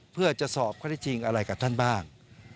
เพื่อจะสอบข้อได้จริงอะไรกับท่านบ้าง